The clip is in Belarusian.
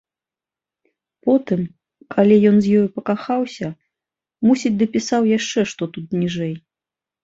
Потым, калі ён з ёю пакахаўся, мусіць, дапісаў яшчэ, што тут ніжэй.